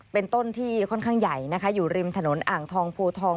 เป็นต้นที่ค่อนข้างใหญ่นะคะอยู่ริมถนนอ่างทองโพทอง